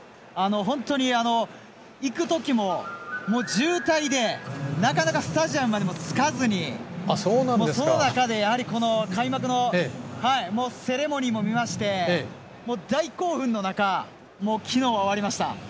本当に行く時も渋滞でなかなかスタジアムまで着かずにその中で開幕のセレモニーも見まして大興奮の中、昨日は終わりました。